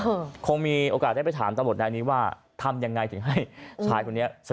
ฮือคงมีโอกาสได้ไปถามตำรวจนี้ว่าทำยังไงถึงให้ชายคนนี้สะยกลงไปได้